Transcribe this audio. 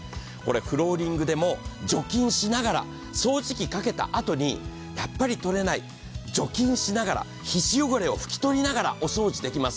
フローリングでも除菌しながら掃除機かけたあとに、やっぱり取れない、除菌しながら、皮脂汚れを拭き取りながらお掃除できます。